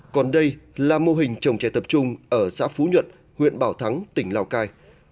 còn đây là mô hình trồng trẻ tập trung ở xã phú nhuận huyện bảo thắng tỉnh lào cai